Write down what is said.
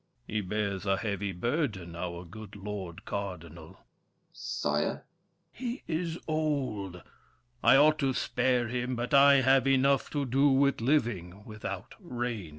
He bears a heavy burden, Our good lord cardinal! DUKE DE BELLEGARDE. Sire! THE KING. He is old. I ought to spare him, but I have enough To do with living, without reigning!